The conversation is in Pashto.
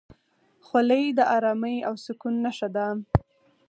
خولۍ د ارامۍ او سکون نښه ده.